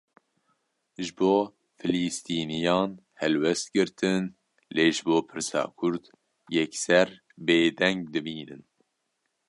Ji bo filîstîniyan helwest girtin, lê ji bo pirsa Kurd, yekser bêdeng dimînin